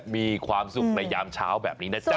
มีความสุขในยามเช้าแบบนี้นะจ๊